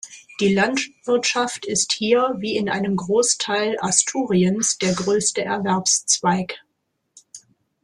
Die Landwirtschaft ist hier, wie in einem Großteil Asturiens, der größte Erwerbszweig.